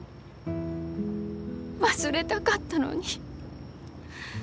忘れたかったのに。